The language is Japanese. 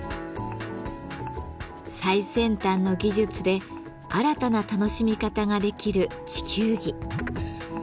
最先端の技術で新たな楽しみ方ができる地球儀。